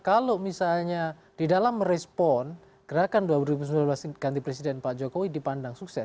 kalau misalnya di dalam merespon gerakan dua ribu sembilan belas ganti presiden pak jokowi dipandang sukses